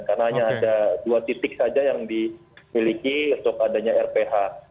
karena hanya ada dua titik saja yang dimiliki untuk adanya rph